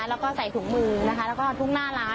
เราก็ใส่ถุงมือแล้วก็ทุกหน้าร้าน